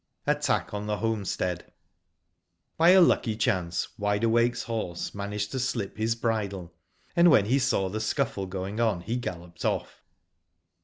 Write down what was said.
ATTACK ON THE HOMESTEAD. By a lucky chance Wide Awake's horse managed to slip his bridle, and when he saw the scuffle going on he galloped off.